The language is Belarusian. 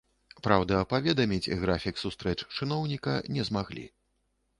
Праўда, паведаміць графік сустрэч чыноўніка не змаглі.